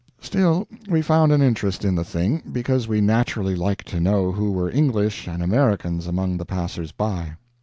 Still we found an interest in the thing, because we naturally liked to know who were English and Americans among the passers by.